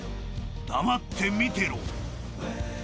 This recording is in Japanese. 黙って見てろ］